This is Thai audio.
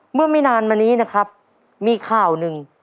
เมื่อไม่นานมานี้นะครับมีข่าวหนึ่ง